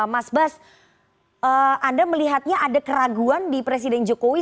mas bas anda melihatnya ada keraguan di presiden jokowi